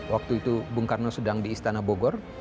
waktu itu bung karno sedang di istana bogor